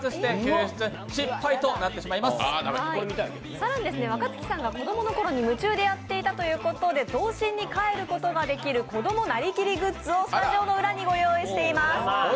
更に若槻さんが子供のころに夢中でやっていたということで童心に帰ることができる子供なりきりグッズをスタジオの裏にご用意しております。